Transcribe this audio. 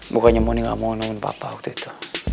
bukannya mondi gak mau nemenin papa waktu itu